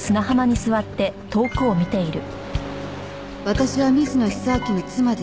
「私は水野久明の妻です」